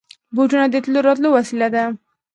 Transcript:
بوټونه د تلو راتلو وسېله ده.